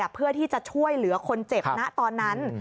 เพื่อที่จะช่วยเหลือคนเจ็บณตอนนั้น